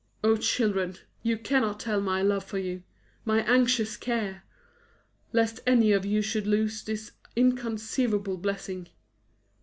Oh, children! you cannot tell my love for you my anxious care! lest any of you should lose this inconceivable blessing.